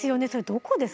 どこですか？